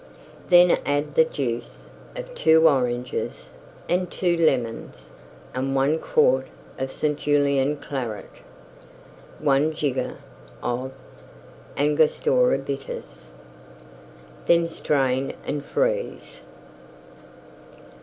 Then add the Juice of two Oranges and two Lemons and one quart of St. Julien Claret, 1 jigger of Angostura Bitters. Then strain and freeze.